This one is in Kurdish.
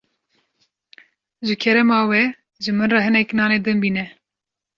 Ji kerema we, ji min re hinek nanê din bîne.